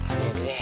eh ada deh